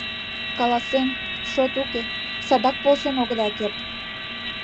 Каласен, шот уке, садак полшен огыда керт...